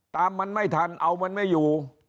ตามมันไม่ทันเอามันไม่อยู่